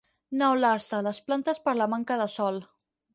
Neular-se, les plantes per la manca de sol.